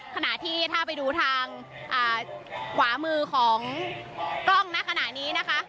ขณะที่ถ้าไปดูทางขวามือของกล้องณขณะนี้นะคะ